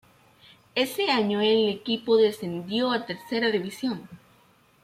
Ese año el equipo descendió a Tercera división.